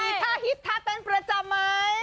มีท่าฮิตท่าเต้นประจำไหม